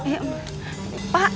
pak pak pak pak pak